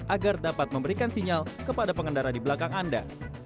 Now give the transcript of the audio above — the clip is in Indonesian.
agar dapat memberikan sinyal kepada pengendara di belakang anda